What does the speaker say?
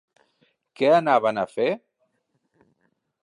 Què anaven a fer?